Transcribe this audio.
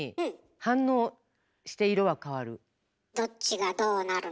どっちがどうなるの？